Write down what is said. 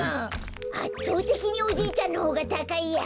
あっとうてきにおじいちゃんのほうがたかいや。